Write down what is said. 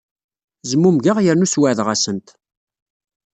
Zmumgeɣ yernu sweɛdeɣ-asent.